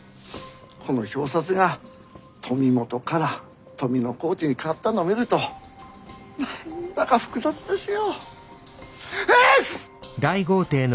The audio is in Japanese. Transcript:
この表札が富本から富小路に変わったのを見ると何だか複雑ですよ。